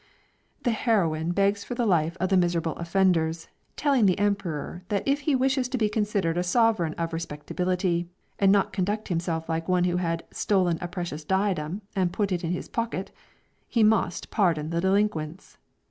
The heroine begs for the life of the miserable offenders, telling the emperor that if he wishes to be considered a sovereign of respectability, and not conduct himself like one who had "stolen a precious diadem and put it in his pocket," he must pardon the delinquents.